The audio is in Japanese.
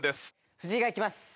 藤井がいきます。